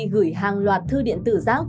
gửi hàng loạt thư điện tử rác